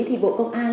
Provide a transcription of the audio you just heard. thì bộ công an